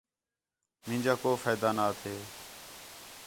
مینجا کَو فائدہ نا تھے